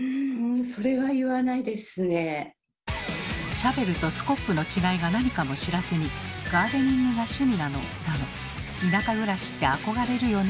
シャベルとスコップの違いが何かも知らずに「ガーデニングが趣味なの」だの「田舎暮らしって憧れるよね」